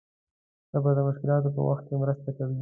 صبر د مشکلاتو په وخت کې مرسته کوي.